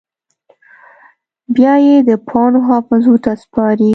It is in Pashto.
بیا یې د پاڼو حافظو ته سپاري